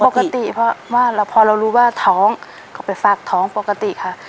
ปกติเพราะว่าพอเรารู้ว่าท้องก็ไปฝากท้องปกติค่ะ